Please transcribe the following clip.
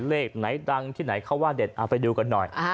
เลขไหนดังที่ไหนเขาว่าเด็ดเอาไปดูกันหน่อย